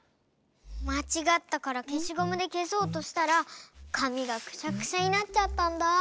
まちがったからけしゴムでけそうとしたらかみがくしゃくしゃになっちゃったんだ。